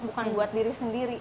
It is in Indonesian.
bukan buat diri sendiri